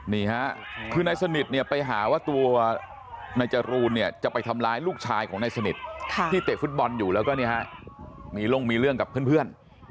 นี่ฮะคือนายสนิทเนี่ยไปหาว่าตัวนายจรูนเนี่ยจะไปทำร้ายลูกชายของนายสนิทที่เตะฟุตบอลอยู่แล้วก็มีลงมีเรื่องกับเพื่อน